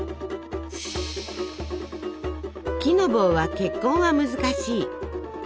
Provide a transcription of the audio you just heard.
木の棒は結婚は難しい。